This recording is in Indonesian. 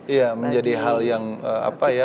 iya menjadi hal yang apa ya